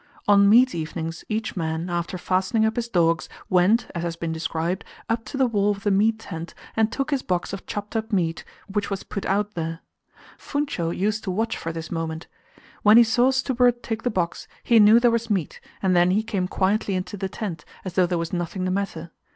On meat evenings each man, after fastening up his dogs, went, as has been described, up to the wall of the meat tent and took his box of chopped up meat, which was put out there. Funcho used to watch for this moment. When he saw Stubberud take the box, he knew there was meat, and then he came quietly into the tent, as though there was nothing the matter.